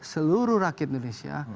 seluruh rakyat indonesia